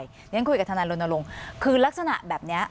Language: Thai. อย่างนั้นคุยกับทนายรณรงค์คือลักษณะแบบนี้